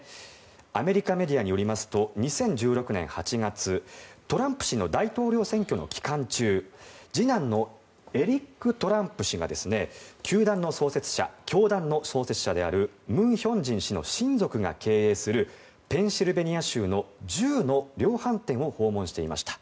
アメリカメディアによりますと２０１６年８月トランプ氏の大統領選挙の期間中次男のエリック・トランプ氏が教団の創設者である文亨進氏の親族が経営するペンシルベニア州の銃の量販店を訪問していました。